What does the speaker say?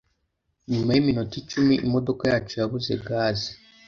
Nyuma yiminota icumi, imodoka yacu yabuze gaze. .